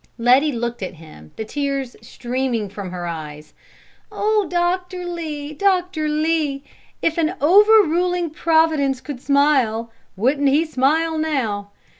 Letty looked at him, the tears streaming from her eyes. "Oh, Doctor Lee, Doctor Lee! If an overruling Providence could smile, wouldn't He smile now?